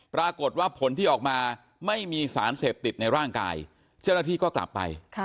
ปรากฏว่าผลที่ออกมาไม่มีสารเสพติดในร่างกายเจ้าหน้าที่ก็กลับไป